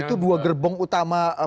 itu dua gerbong utama